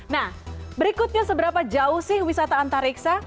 nah berikutnya seberapa jauh sih wisata antariksa